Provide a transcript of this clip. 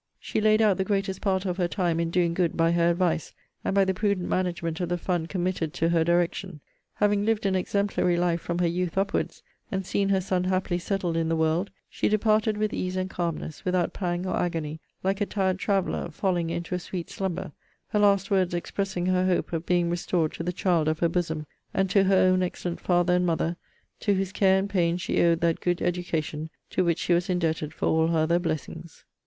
She laid out the greatest part of her time in doing good by her advice, and by the prudent management of the fund committed to her direction. Having lived an exemplary life from her youth upwards; and seen her son happily settled in the world; she departed with ease and calmness, without pang or agony, like a tired traveller, falling into a sweet slumber: her last words expressing her hope of being restored to the child of her bosom; and to her own excellent father and mother, to whose care and pains she owed that good education to which she was indebted for all her other blessings.